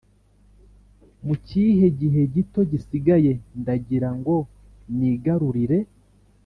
muri kigihe gito gisigaye ndagirango nigarurire